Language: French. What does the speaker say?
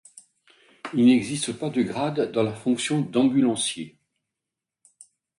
Il n'existe pas de grades dans la fonction d'ambulancier.